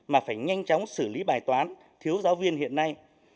mà phải nhanh chóng xử lý bài toán thiếu giáo viên hiện nay